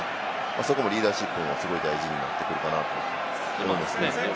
そこもリーダーシップが大事になってくるかなと思いますね。